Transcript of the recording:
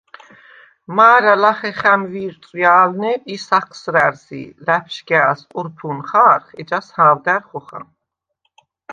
მა̄რა ლახე ხა̈მვი̄რწვჲა̄ლვნე ი საჴსრა̈რს ი ლა̈ფშგა̄̈ლს ყურფუ̄ნ ხა̄რხ, ეჯას ჰა̄ვდა̈რ ხოხა.